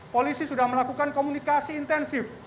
polisi sudah melakukan komunikasi intensif